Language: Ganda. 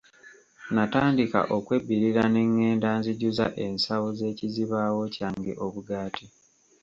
Natandika okwebbirira ne ngenda nzijuza ensawo z'ekizibawo kyange obugaati.